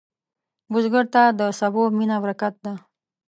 بزګر ته د سبو مینه برکت ده